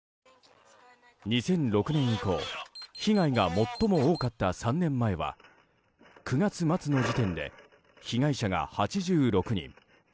２００６年以降被害が最も多かった３年前は９月末の時点で被害者が８６人。